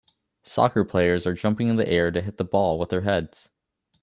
Soccer players are jumping in the air to hit the ball with their heads